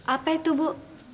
apa itu bu